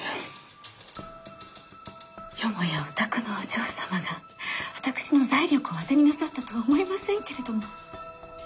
よもやお宅のお嬢様が私の財力を当てになさったとは思いませんけれども。